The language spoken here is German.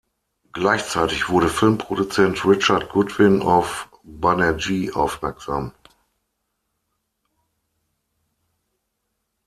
Gleichzeitig wurde Filmproduzent Richard Goodwin auf Banerjee aufmerksam.